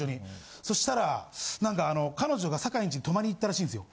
そしたら何かあの彼女が坂井ん家に泊まりに行ったらしいんっすよ。